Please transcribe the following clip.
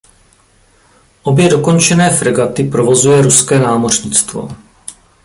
Obě dokončené fregaty provozuje ruské námořnictvo.